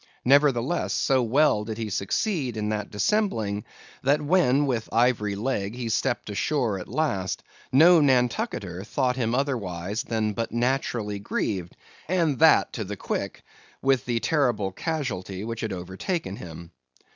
Nevertheless, so well did he succeed in that dissembling, that when with ivory leg he stepped ashore at last, no Nantucketer thought him otherwise than but naturally grieved, and that to the quick, with the terrible casualty which had overtaken him.